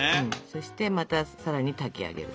そしてまたさらに炊き上げる。